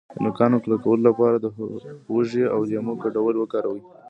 د نوکانو کلکولو لپاره د هوږې او لیمو ګډول وکاروئ